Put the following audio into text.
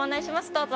どうぞ。